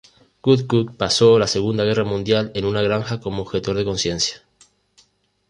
Woodcock pasó la Segunda Guerra Mundial en una granja, como objetor de conciencia.